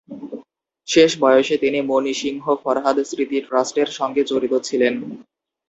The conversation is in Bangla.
শেষ বয়সে তিনি মণি সিংহ-ফরহাদ স্মৃতি ট্রাস্টের সঙ্গে জড়িত ছিলেন।